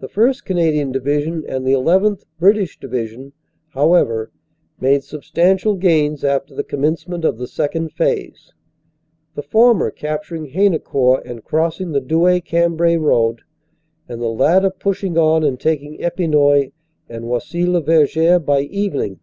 The 1st. Canadian Division and the llth. (British) Division, however, made substantial gains after the commence ment of the Second Phase, the former capturing Haynecourt and crossing the Douai Cambrai road, and the latter pushing on and taking Epinoy and Oisy le Verger by evening."